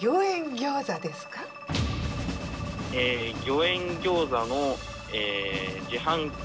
「餃苑餃子の自販機